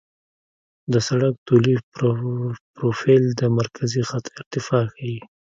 د سړک طولي پروفیل د مرکزي خط ارتفاع ښيي